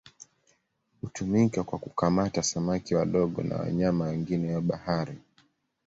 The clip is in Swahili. Hutumika kwa kukamata samaki wadogo na wanyama wengine wa bahari.